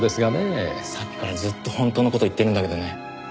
さっきからずっと本当の事を言ってるんだけどね。